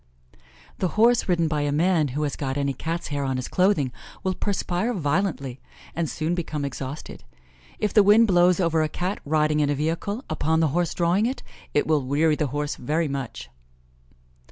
The horse ridden by a man who has got any Cat's hair on his clothing will perspire violently, and soon become exhausted. If the wind blows over a Cat riding in a vehicle, upon the horse drawing it, it will weary the horse very much.